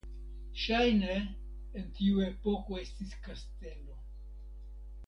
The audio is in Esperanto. Ŝajne en tiu epoko estis kastelo.